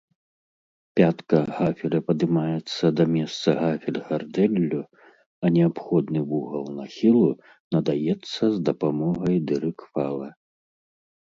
Пятка гафеля падымаецца да месца гафель-гардэллю, а неабходны вугал нахілу надаецца з дапамогай дырык-фала.